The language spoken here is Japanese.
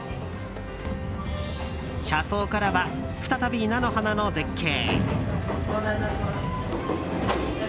車窓からは再び菜の花の絶景。